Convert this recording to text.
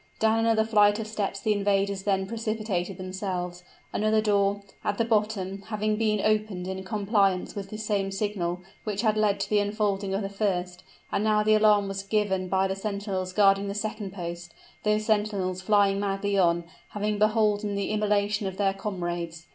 Down another flight of steps the invaders then precipitated themselves, another door, at the bottom, having been opened in compliance with the same signal which had led to the unfolding of the first and now the alarm was given by the sentinels guarding the second post those sentinels flying madly on, having beholden the immolation of their comrades.